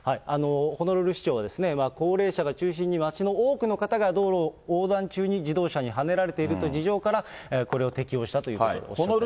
ホノルル市長は、高齢者が中心に、街の多くの方が道路を横断中に自動車にはねられているという事情から、これを適用したということをおっしゃってます。